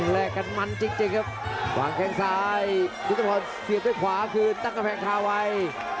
แลกกันมันจริงครับวางแข้งซ้ายยุทธพรเสียบด้วยขวาคืนตั้งกำแพงคาไว้